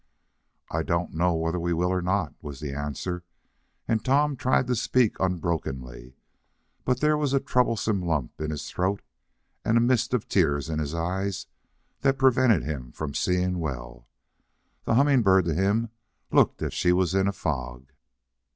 "I don't know whether we will or not," was the answer, and Tom tried to speak unbrokenly, but there was a troublesome lump in his throat, and a mist of tears in his eyes that prevented him from seeing well. The Humming Bird, to him, looked as if she was in a fog.